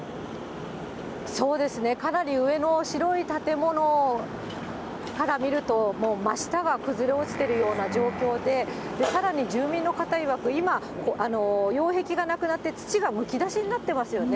そうですね、かなり上の白い建物から見ると、もう、真下が崩れ落ちているような状況で、さらに住民の方いわく、今、擁壁がなくなって、土がむき出しになってますよね。